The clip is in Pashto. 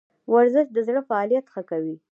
ورزش د زړه فعالیت ښه کوي